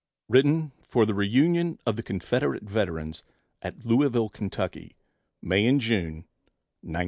_Written for the Reunion of the Confederate Veterans at Louisville, Ky., May and June, 1900.